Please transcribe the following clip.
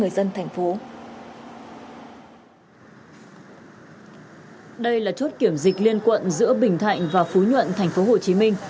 đây là chốt kiểm dịch liên quận giữa bình thạnh và phú nhuận tp hcm